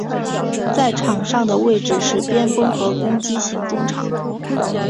在场上的位置是边锋和攻击型中场。